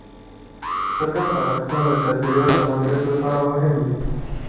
چرګان د افغانستان د چاپیریال د مدیریت لپاره مهم دي.